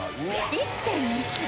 １．２ｋｇ？